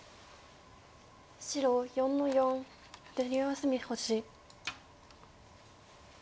白４の四左上隅星。